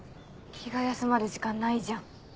気が休まる時間ないじゃん。